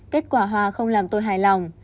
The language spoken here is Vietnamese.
kết quả hòa không làm tôi hài lòng